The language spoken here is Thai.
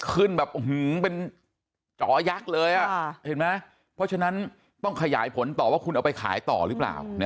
ขึ้นแบบเป็นจอยักษ์เลยเห็นไหมเพราะฉะนั้นต้องขยายผลต่อว่าคุณเอาไปขายต่อหรือเปล่า